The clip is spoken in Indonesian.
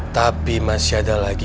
tapi masih ada lagi